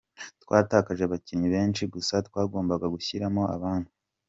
Twatakaje abakinnyi benshi gusa twagombaga gushyiramo abandi.